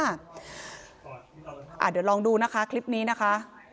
เดี๋ยวลองดูนะคะคลิปนี้นะคะ